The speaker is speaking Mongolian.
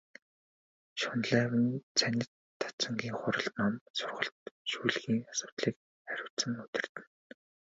Шунлайв нь цанид дацангийн хурал ном, сургалт шүүлгийн асуудлыг хариуцан удирдана.